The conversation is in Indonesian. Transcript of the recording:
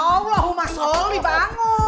allahumma sholli bangun